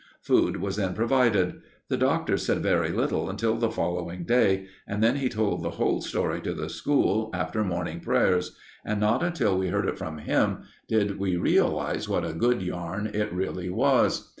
Food was then provided. The Doctor said very little until the following day, and then he told the whole story to the school after morning prayers; and not until we heard it from him did we realize what a good yarn it really was.